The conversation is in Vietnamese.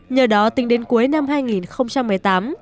nhờ đó tính đến cuối năm hai nghìn một mươi tám